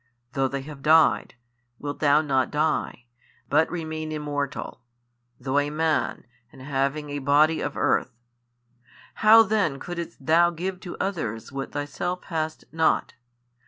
though they have died, wilt thou not die, but remain immortal, though a Man and having a body of earth? how then couldest Thou give to others what Thyself hast not?